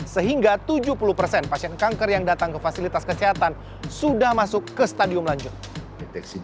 sehingga tujuh puluh persen pasien kanker yang datang ke fasilitas kesehatan sudah masuk ke stadium lanjut